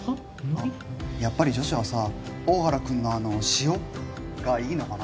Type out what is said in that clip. やっぱり女子はさ大原君のあの塩がいいのかな